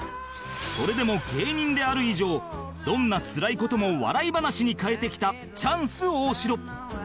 それでも芸人である以上どんなつらい事も笑い話に変えてきたチャンス大城